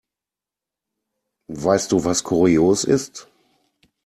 Weißt du, was kurios ist?